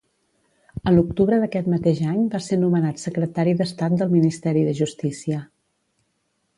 A l'octubre d'aquest mateix any va ser nomenat Secretari d'Estat del Ministeri de Justícia.